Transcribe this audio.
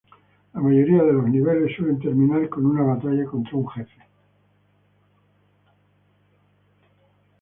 La mayoría de niveles suelen terminar con una batalla contra un jefe.